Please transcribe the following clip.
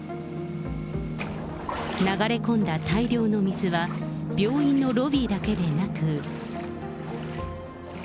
流れ込んだ大量の水は、病院のロビーだけでなく。